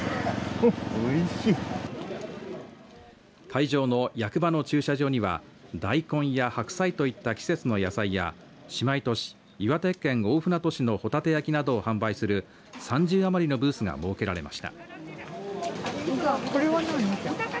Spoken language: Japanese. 会場の役場の駐車場には大根や白菜といった季節の野菜や姉妹都市岩手県大船渡市の帆立て焼きなどを販売する３０余りのブースが設けられました。